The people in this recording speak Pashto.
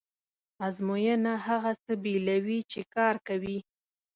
ازموینه هغه څه بېلوي چې کار کوي.